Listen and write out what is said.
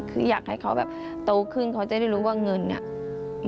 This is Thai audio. คืออยากให้เขาโตขึ้นเขาจะรู้ว่าเงินนี่